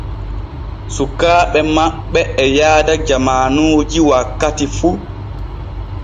Sukaaɓe maɓɓe e yaada jamaanuji wakkati fu.